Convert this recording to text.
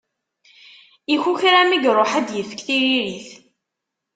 Ikukra mi iruḥ ad d-yefk tiririt.